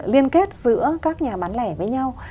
liên kết giữa các nhà bán lẻ với nhau